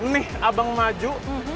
nih abang maju